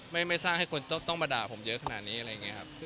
ไม่สร้างให้คนต้องมาด่าผมเยอะขนาดนี้อะไรอย่างนี้ครับ